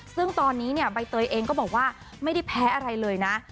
ซึ่งตอนนี้เนี่ยใบเตยเองก็บอกว่าไม่ได้แพ้อะไรเลยนะ